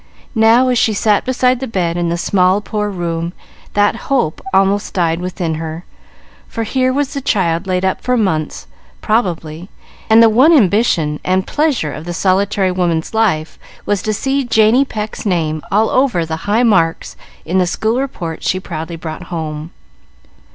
Now, as she sat beside the bed in the small, poor room, that hope almost died within her, for here was the child laid up for months, probably, and the one ambition and pleasure of the solitary woman's life was to see Janey Pecq's name over all the high marks in the school reports she proudly brought home.